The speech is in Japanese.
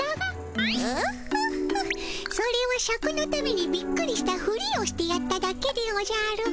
オホッホそれはシャクのためにびっくりしたフリをしてやっただけでおじゃる。